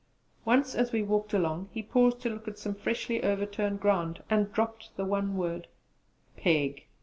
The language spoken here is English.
Once, as we walked along, he paused to look at some freshly overturned ground, and dropped the one word, 'Pig.'